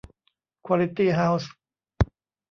ควอลิตี้เฮ้าส์